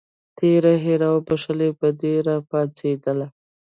تېره هیره او بښلې بدي راپاڅېدله.